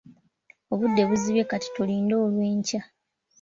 Obudde buzibye kati tulinde olw'enkya.